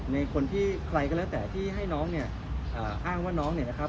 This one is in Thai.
ในคนที่ใครก็แล้วแต่ที่ให้น้องเนี่ยอ้างว่าน้องเนี่ยนะครับ